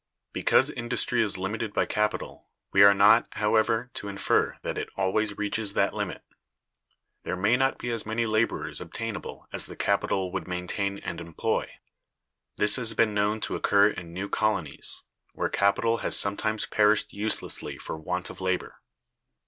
Because industry is limited by capital, we are not, however, to infer that it always reaches that limit. There may not be as many laborers obtainable as the capital would maintain and employ. This has been known to occur in new colonies, where capital has sometimes perished uselessly for want of labor.